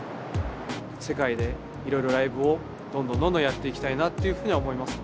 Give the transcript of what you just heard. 世界でいろいろライブをどんどんどんどんやっていきたいなっていうふうには思いますね。